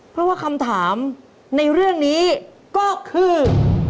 เพราะว่าคำถามในเรื่องนี้ก็คือ